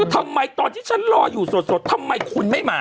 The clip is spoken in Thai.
ทำไมตอนที่ฉันรออยู่สดทำไมคุณไม่มา